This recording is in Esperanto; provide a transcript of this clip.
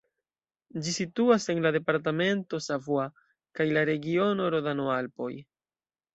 Ĝi situas en la departamento Savoie kaj la regiono Rodano-Alpoj.